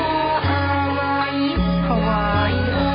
ทรงเป็นน้ำของเรา